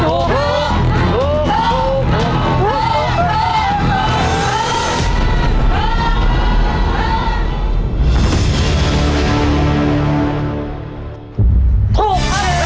ถูกพัน